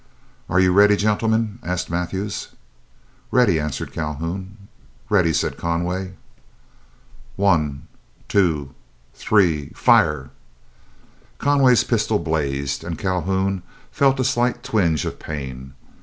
"Are you ready, gentlemen?" asked Mathews. "Ready!" answered Calhoun. "Ready!" said Conway. "One—two—three—fire!" Conway's pistol blazed, and Calhoun felt a slight twinge of pain.